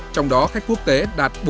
trong đó khách quốc tế đạt bốn triệu lượt